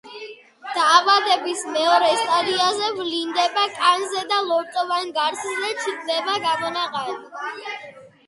დაავადების მეორე სტადიაზე ვლინდება კანზე და ლორწოვან გარსზე ჩნდება გამონაყარი.